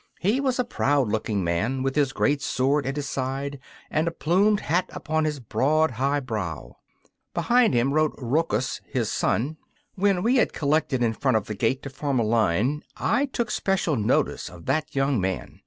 He was a proud looking man, with his great sword at his side and a plumed hat upon his broad, high brow. Behind him rode Rochus, his son. When we had collected in front of the gate to form a line I took special notice of that young man.